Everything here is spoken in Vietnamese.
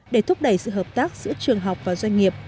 để thúc đẩy sự hợp tác giữa trường học và doanh nghiệp